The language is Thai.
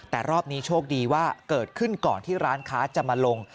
แต่รอบนี้โชคดีว่าเกิดขึ้นก่อนที่ร้านค้าจะมาลง